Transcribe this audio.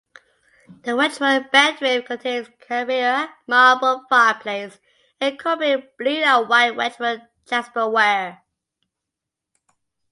The Wedgwood Bedroom contains a Carrera marble fireplace incorporating blue and white Wedgwood Jasperware.